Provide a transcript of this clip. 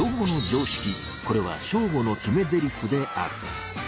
これはショーゴの決めゼリフである。